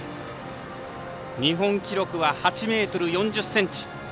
日本記録は８ｍ４０ｃｍ。